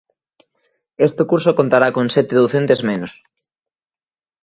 Este curso contará con sete docentes menos.